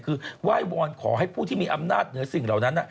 คือไหว้วอนขอให้ผู้ที่มีอำนาจเหนือสิ่งเหล่านั้น